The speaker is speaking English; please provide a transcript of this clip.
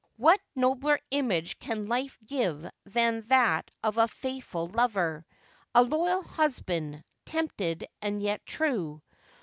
What nobler image can life give than that of a faithful lover, a loyal husband, tempted and yet true